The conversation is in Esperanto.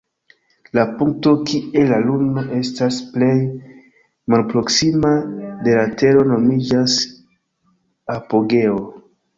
La punkto kie la luno estas plej malproksima de la tero nomiĝas "apogeo".